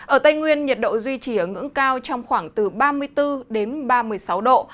ở tây nguyên nhiệt độ duy trì ở ngưỡng cao trong khoảng từ ba mươi bốn đến ba mươi sáu độ